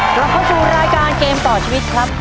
กลับเข้าสู่รายการเกมต่อชีวิตครับ